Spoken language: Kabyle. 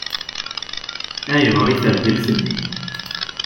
Ayɣer i treggel fell-i?